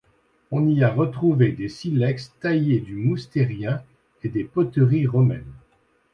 On y a retrouvé des silex taillés du moustérien et des poteries romaines.